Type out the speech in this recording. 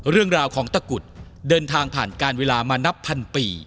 เรื่องราวของตะกุดเดินทางผ่านการเวลามานับพันปี